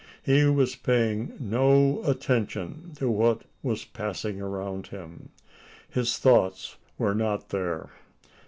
He was paying no attention to what was passing around him. His thoughts were not there?